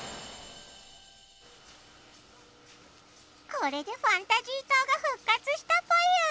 これでファンタジー島が復活したぽよ。